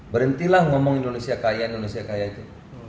berhentilah ngomong indonesia kaya indonesia kaya itu